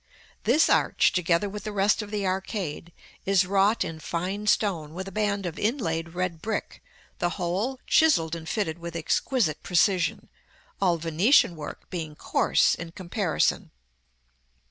This arch, together with the rest of the arcade, is wrought in fine stone, with a band of inlaid red brick, the whole chiselled and fitted with exquisite precision, all Venetian work being coarse in comparison.